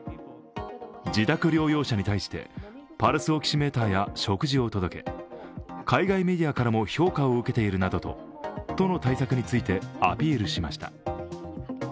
自宅療養者に対してパルスオキシメーターや食事を届け海外メディアからも評価を受けているなどと都の対策についてアピールしました。